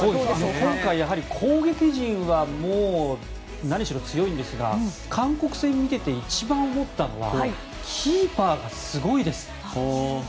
今回、攻撃陣は何しろ強いんですが韓国戦を見ていて一番思ったのはキーパーがすごいです。